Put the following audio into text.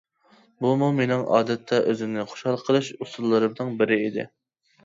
بۇمۇ مېنىڭ ئادەتتە ئۆزۈمنى خۇشال قىلىش ئۇسۇللىرىمنىڭ بىرى ئىدى.